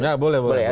ya boleh boleh